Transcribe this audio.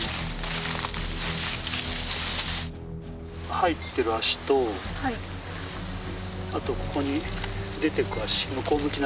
入ってる足とあとここに出て行く足向こう向きの足があるので。